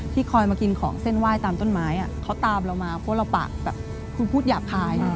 คอยมากินของเส้นไหว้ตามต้นไม้เขาตามเรามาเพราะเราปากแบบคุณพูดหยาบคาย